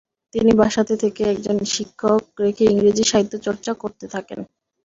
তিনি বাসাতে থেকেই একজন শিক্ষক রেখে ইংরেজি সাহিত্য চর্চা করতে থাকেন।